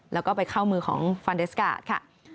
แล้วก็ไปเข้ามือของฟานเดสการ์ดค่ะ